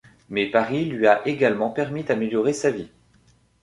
Mais Paris lui a également permis d'améliorer sa vie.